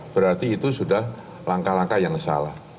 berarti itu sudah langkah langkah yang salah